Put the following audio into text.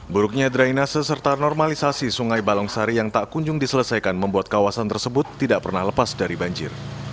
buruknya drainase serta normalisasi sungai balong sari yang tak kunjung diselesaikan membuat kawasan tersebut tidak pernah lepas dari banjir